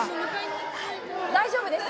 大丈夫です。